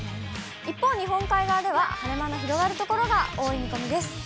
一方、日本海側では晴れ間の広がる所が多い見込みです。